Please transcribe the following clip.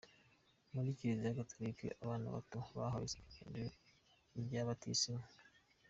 Muri Kiliziya Gatolika, abana bato bahawe isakaramentu rya Batisimu.